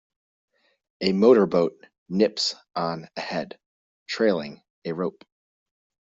A motor-boat nips on ahead, trailing a rope.